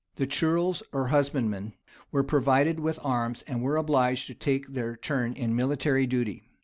[*] The ceorles, or husbandmen, were provided with arms, and were obliged to take their turn in military duty.